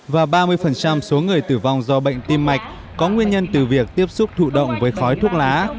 và ba mươi số người tử vong do bệnh tim mạch có nguyên nhân từ việc tiếp xúc thụ động với khói thuốc lá